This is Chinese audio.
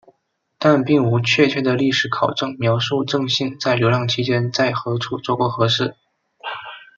但并无确切的历史考证描述正信在流浪期间在何处做过何事。